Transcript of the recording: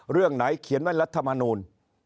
เรื่องไหนเขียนไว้รัฐมนูล